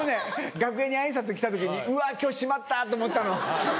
楽屋に挨拶来た時に「うわ今日しまった」と思ったの。